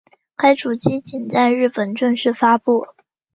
该主机仅在日本正式发布。